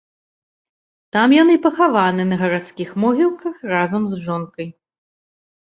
Там ён і пахаваны на гарадскіх могілках разам з жонкай.